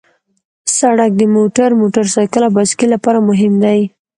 سړک د موټر، موټرسایکل او بایسکل لپاره مهم دی.